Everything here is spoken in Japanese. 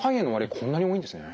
こんなに多いんですね。